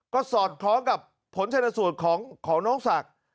ก็สอดคล้องกับผลชนสูตรของน้องศักดิ์